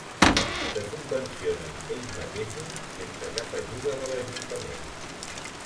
Se subvencionen ells mateixos sense cap ajuda de l'ajuntament.